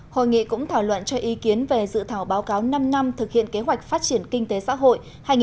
hội nghị cũng thảo luận cho ý kiến về dự thảo báo cáo năm năm thực hiện kế hoạch phát triển kinh tế xã hội hai nghìn một mươi hai hai nghìn hai mươi